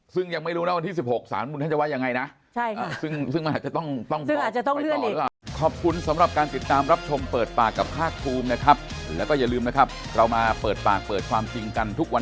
ซึ่งยังไม่รู้นะวันที่๑๖สารบุญท่านจะว่ายังไงนะ